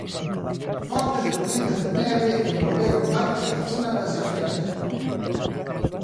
Fortes tormentas de neve envolveron partes da zona das Ardenas.